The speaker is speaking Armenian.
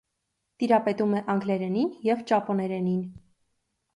Տիրապետում է անգլերենին և ճապոներենին։